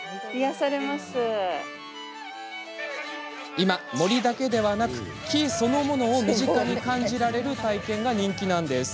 今、森だけでなく、木そのものを身近に感じられる体験が人気。